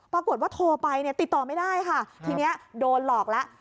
ปรากฏว่าโทรไปเนี้ยติดต่อไม่ได้ค่ะทีเนี้ยโดนหลอกแล้ว